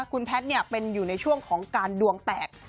คุณแพทย์เป็นอยู่ในช่วงของการดวงแตก